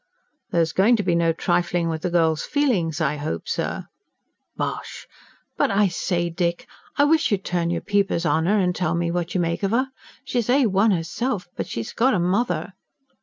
"There's going to be no trifling with the girl's feelings, I hope, sir?" "Bosh! But I say, Dick, I wish you'd turn your peepers on 'er and tell me what you make of 'er. She's A1 'erself, but she's got a mother....